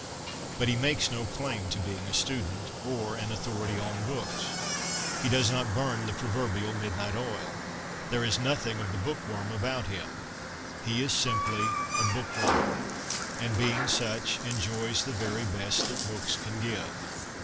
But he makes no claim to being a student, or an authority on books. He does not burn the pro verbial midnight oil. There is nothing of the book worm about him. He is simply a book lover, and being such, enjoys the very best that books can give.